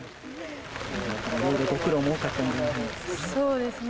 いろいろとご苦労も多かったそうですね。